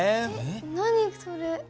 何それ？